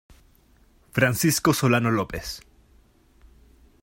Francisco Solano López.